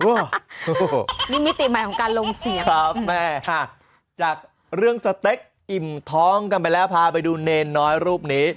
นี่มิติใหม่ของการลงเสียงครับแม่จากเรื่องสเต็กอิ่มท้องกันไปแล้วพาไปดูเนรน้อยรูปนี้